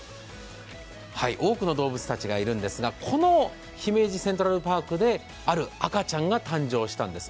多くの動物たちがいるんですが、この姫路セントラルパークである赤ちゃんが誕生したんです。